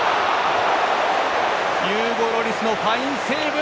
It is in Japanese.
ユーゴ・ロリスのファインセーブ。